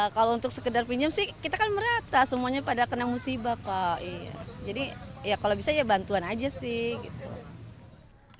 kalau untuk sekedar pinjam sih kita kan merata semuanya pada kena musibah pak jadi ya kalau bisa ya bantuan aja sih gitu